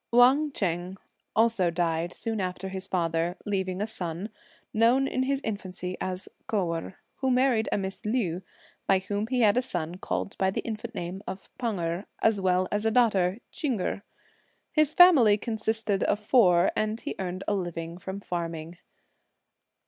Wang Ch'eng also died soon after his father, leaving a son, known in his infancy as Kou Erh, who married a Miss Liu, by whom he had a son called by the infant name of Pan Erh, as well as a daughter, Ch'ing Erh. His family consisted of four, and he earned a living from farming.